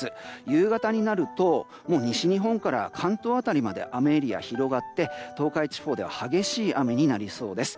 夕方になると西日本から関東辺りまで雨エリアが広がって東海地方では激しい雨になりそうです。